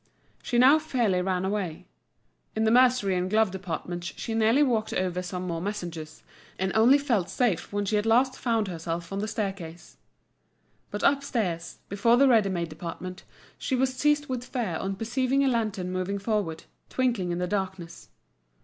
She now fairly ran away. In the mercery and glove departments she nearly walked over some more messengers, and only felt safe when she at last found herself on the staircase. But upstairs, before the ready made department, she was seized with fear on perceiving a lantern moving forward, twinkling in the darkness.